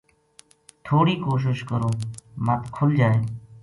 تھوڑی کوشش کروں مت کھل جائے